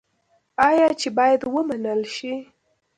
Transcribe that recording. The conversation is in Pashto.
آیا چې باید ومنل شي؟